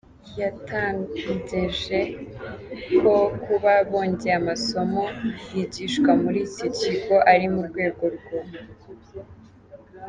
yatangeje ko kuba bongeye amasomo yigishwa muri iki kigo ari mu rwego rwo.